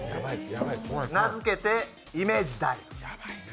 名付けて、イメージダイブ。